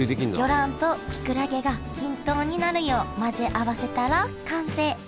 魚卵ときくらげが均等になるよう混ぜ合わせたら完成。